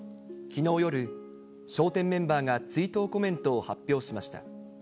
きのう夜、笑点メンバーが追悼コメントを発表しました。